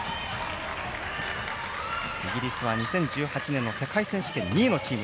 イギリスは２０１８年の世界選手権２位のチーム。